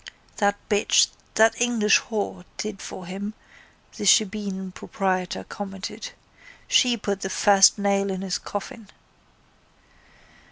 —That bitch, that English whore, did for him, the shebeen proprietor commented. She put the first nail in his coffin.